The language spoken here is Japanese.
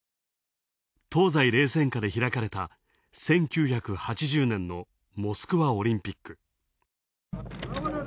東西冷戦下で開かれた１９８０年のモスクワオリンピック。